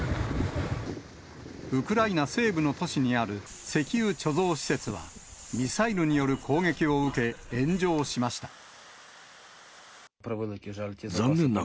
ウクライナ西部の都市にある石油貯蔵施設は、ミサイルによる攻撃を受け、炎上しました。